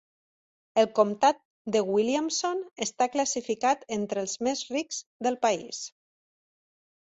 El comtat de Williamson està classificat entre els més rics del país.